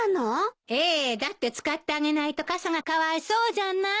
だって使ってあげないと傘がかわいそうじゃない。